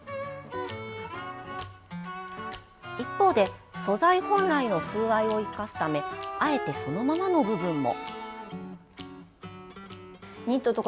一方で素材本来の風合いを生かすためあえて、そのままの部分も。